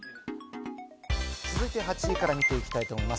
続いて８位から見ていきたいと思います。